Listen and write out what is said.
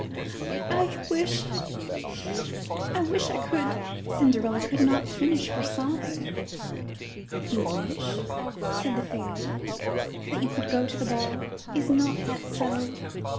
'' *'I wish — I wish I could —," Cinderella could not finish for sobbing. ''You wish," said the fairy, "that you could go to the ball. Is not that so?"